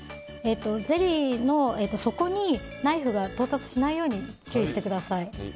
ゼリーの底にナイフが到達しないように注意してください。